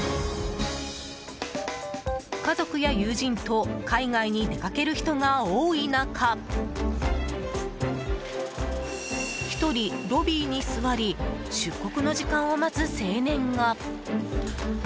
家族や友人と海外に出かける人が多い中１人、ロビーに座り出国の時間を待つ青年が。